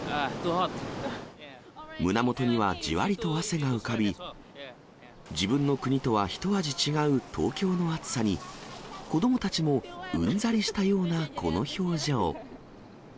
胸元にはじわりと汗が浮かび、自分の国とは一味違う東京の暑さに、子どもたちもうんざりしたようなこの表情。